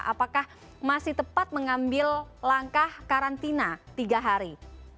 apakah masih tepat mengambil langkah karantina tiga hari